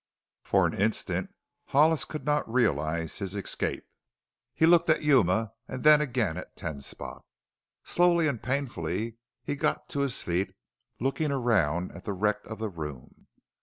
For an instant Hollis could not realize his escape. He looked at Yuma and then again at Ten Spot. Slowly and painfully he got to his feet, looking around at the wreck of the room.